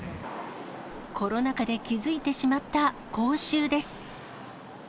コロナ禍で気付いてしまった口臭です。